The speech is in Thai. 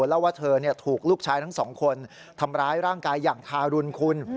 เล่าว่าเธอถูกลูกชายทั้งสองคนทำร้ายร่างกายอย่างทารุณคุณ